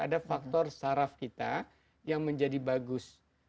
ada faktor saraf kita yang menjadi bagus